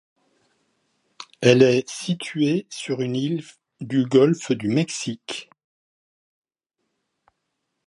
Elle est située sur une île du golfe du Mexique.